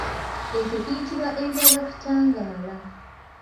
Ekyo kiyitibwa entazakitangaala.